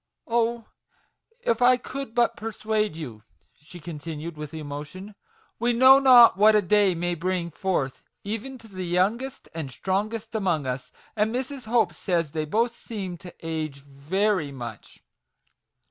Oh, if I could but persuade you \" she continued, with emotion :" we know not what a day may bring forth even to the youngest and strongest among us; and Mrs. Hope says they both seem to 'age 5 very much.